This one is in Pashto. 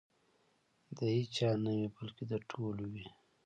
د هیچا نه وي بلکې د ټولو وي.